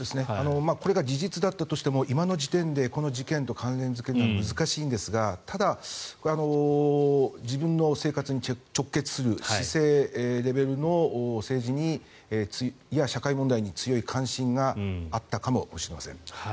これが事実だったとしても今の時点でこの事件と関連付けるのは難しいんですがただ、自分の生活に直結する市政レベルの政治や社会問題に強い関心があったかもしれません。